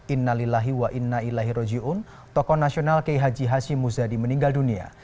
innalillahi wa inna ilahi roji'un tokoh nasional k h h muzadi meninggal dunia